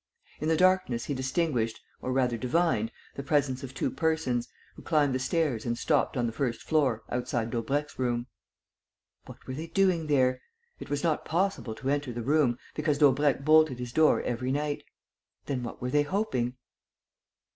In the darkness he distinguished, or rather divined, the presence of two persons, who climbed the stairs and stopped on the first floor, outside Daubrecq's bedroom. What were they doing there? It was not possible to enter the room, because Daubrecq bolted his door every night. Then what were they hoping?